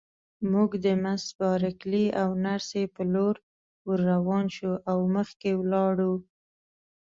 موږ د مس بارکلي او نرسې په لور ورروان شوو او مخکې ولاړو.